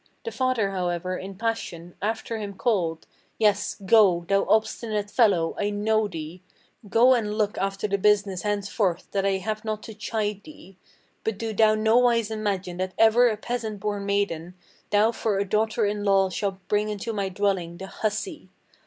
The father, however; in passion After him called, "Yes, go, thou obstinate fellow! I know thee! Go and look after the business henceforth, that I have not to chide thee; But do thou nowise imagine that ever a peasant born maiden Thou for a daughter in law shalt bring into my dwelling, the hussy!